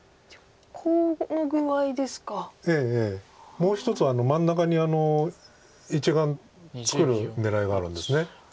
もう一つは真ん中に１眼作る狙いがあるんです。